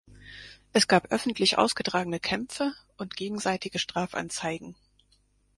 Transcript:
Es gab öffentlich ausgetragene Kämpfe und gegenseitige Strafanzeigen.